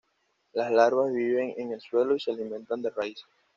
Las larvas viven en el suelo y se alimentan de raíces.